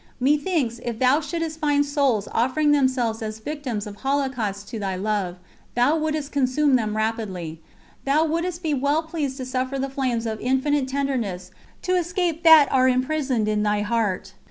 Methinks, if Thou shouldst find souls offering themselves as victims of holocaust to Thy Love, Thou wouldst consume them rapidly; Thou wouldst be well pleased to suffer the flames of infinite tenderness to escape that are imprisoned in Thy Heart.